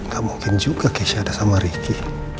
gak mungkin juga keisha ada sama ricky